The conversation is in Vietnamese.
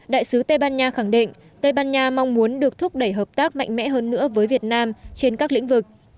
đại sứ tây ban nha khẳng định tây ban nha mong muốn được thúc đẩy hợp tác mạnh mẽ hơn nữa với việt nam trên các lĩnh vực